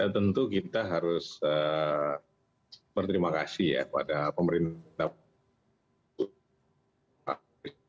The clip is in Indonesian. tentu kita harus berterima kasih ya pada pemerintah